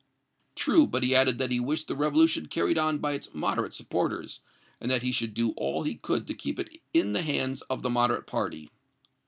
"True, but he added that he wished the revolution carried on by its moderate supporters, and that he should do all he could to keep it in the hands of the moderate party."